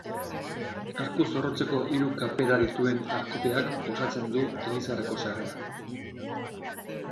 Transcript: Arku zorrotzeko hiru kapera dituen arkupeak osatzen du elizarako sarrera.